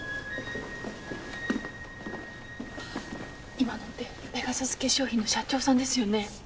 今のってペガサス化粧品の社長さんですよね。